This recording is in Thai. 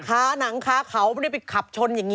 หนังค้าเขาไม่ได้ไปขับชนอย่างนี้